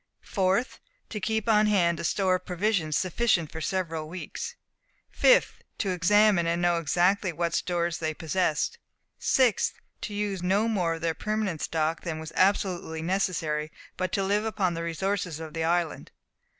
4th. To keep on hand a store of provisions sufficient for several weeks. 5th. To examine, and know exactly what stores they possessed. 6th. To use no more of their permanent stock than was absolutely necessary, but to live upon the resources of the island.